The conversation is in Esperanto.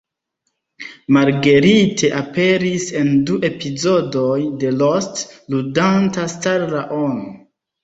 Marguerite aperis en du epizodoj de "Lost", ludanta Starla-on.